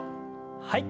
はい。